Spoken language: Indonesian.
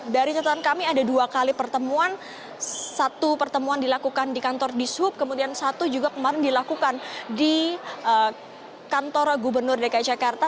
dari catatan kami ada dua kali pertemuan satu pertemuan dilakukan di kantor dishub kemudian satu juga kemarin dilakukan di kantor gubernur dki jakarta